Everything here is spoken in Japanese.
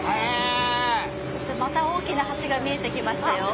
また大きな橋が見えてきましたよ。